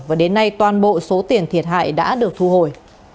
và đến nay toàn bộ số tiền thiệt hại đã được thu hồi